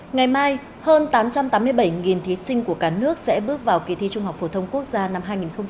ngày mai hơn tám trăm tám mươi bảy thí sinh của cả nước sẽ bước vào kỳ thi trung học phổ thông quốc gia năm hai nghìn một mươi chín